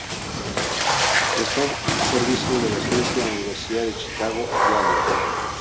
Prestó servicios de docencia en la Universidad de Chicago y Yale.